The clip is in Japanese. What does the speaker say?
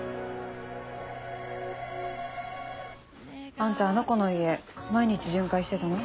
あんたあの子の家毎日巡回してたの？